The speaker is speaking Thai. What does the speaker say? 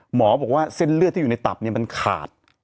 หมอบอกว่าเส้นเลือดที่อยู่ในตับมันขาด